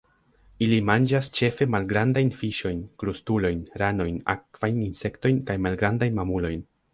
Ili manĝas ĉefe malgrandajn fiŝojn, krustulojn, ranojn, akvajn insektojn, kaj malgrandajn mamulojn.